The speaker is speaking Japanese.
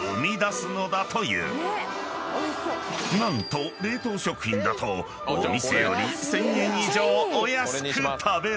［何と冷凍食品だとお店より１，０００円以上お安く食べられる］